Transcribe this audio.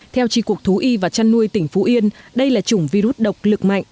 theo tri cục thú y và chăn nuôi tỉnh phú yên đây là chủng virus độc lực mạnh